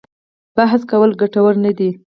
بحث کول ګټور نه دي.